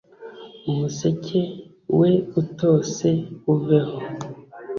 umuseke we utose uveho